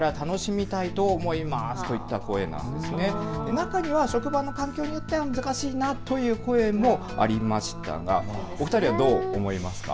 中には職場の環境によっては難しいなという声もありましたが、お二人はどう思いますか。